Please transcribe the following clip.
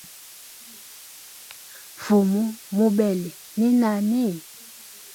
Fumu mubeli ni nani?